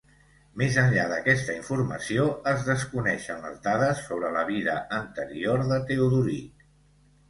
Més enllà d'aquesta informació, es desconeixen les dades sobre la vida anterior de Teodoric.